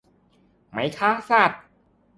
ไม่ฆ่าสัตว์